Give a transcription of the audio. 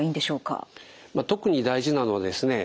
特に大事なのはですね